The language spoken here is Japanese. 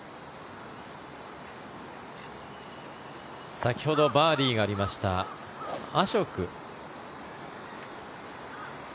先ほどバーディーがありましたアショク。